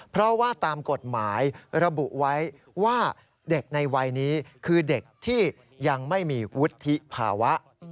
เพราะว่าตามกฎหมายระบุไว้ว่าเด็กในวัยนี้คือเด็กที่ยังไม่มีวุฒิภาวะ